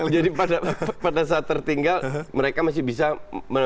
jadi pada saat tertinggal mereka masih bisa menang